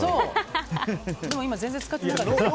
でも、今全然使ってなかったけど。